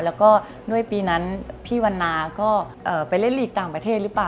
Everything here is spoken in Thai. แล้วก็ด้วยปีนั้นพี่วันนาก็ไปเล่นลีกต่างประเทศหรือเปล่า